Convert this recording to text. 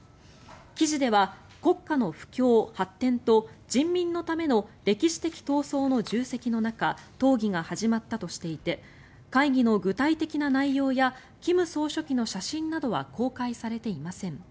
記事では国家の富強・発展と人民のための歴史的闘争の重責の中討議が始まったとしていて会議の具体的な内容や金総書記の写真などは公開されていません。